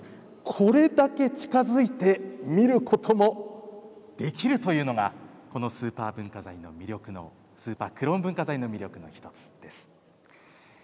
これだけ近づいて見ることもできるというのがこのスーパークローン文化財の魅力の一つです。